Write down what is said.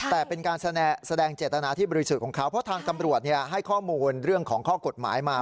แต่เป็นการแสดงเจตนาที่บริสุทธิ์ของเขาเพราะทางตำรวจให้ข้อมูลเรื่องของข้อกฎหมายมา